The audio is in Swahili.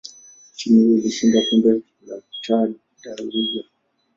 timu hiyo ilishinda kombe la Taa da Liga.